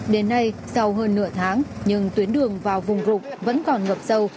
đến nay sau hơn nửa tháng nhưng tuyến đường vào vùng rục vẫn còn ngập sâu